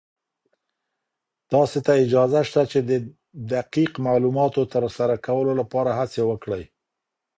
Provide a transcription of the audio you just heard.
تاسې ته اجازه شته چې د دقيق معلوماتو تر سره کولو لپاره هڅې وکړئ.